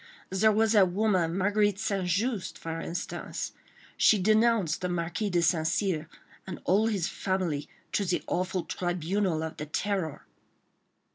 "There was that woman, Marguerite St. Just, for instance. She denounced the Marquis de St. Cyr and all his family to the awful tribunal of the Terror."